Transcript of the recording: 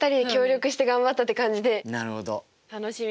なるほど。